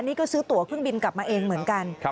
นี่ก็ซื้อตัวเครื่องบินกลับมาเองเหมือนกัน